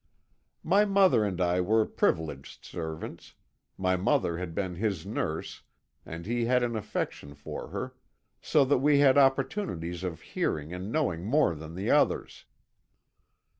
"My mother and I were privileged servants my mother had been his nurse, and he had an affection for her so that we had opportunities of hearing and knowing more than the others.